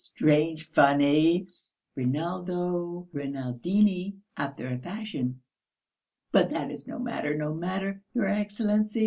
Strange, funny! Rinaldo Rinaldini after a fashion. But that is no matter, no matter, your Excellency.